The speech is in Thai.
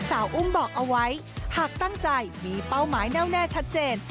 เอาไว้หากตั้งใจมีเป้าหมายแนวแน่ชัดเจน